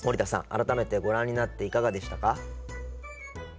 改めてご覧になっていかがでしたか？